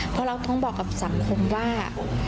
เพราะเราต้องบอกกับสังคมว่า